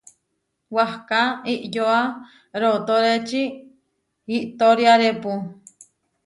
Wahká iʼyoa rootóreči iʼtoriarepu.